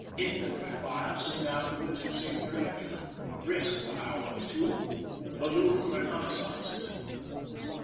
Infantry fii*e soon afterward in same direction. Brisk for hour or two. Balloon reconnaissances.